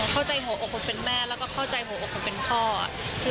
เข้าใจหัวอกของเป็นแม่แล้วก็เข้าใจหัวอกของเป็นพ่อ